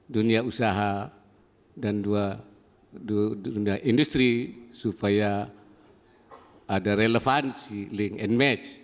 dunia usaha dan dua dunia industri supaya ada relevansi link and match